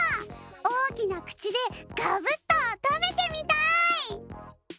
おおきなくちでガブッとたべてみたい！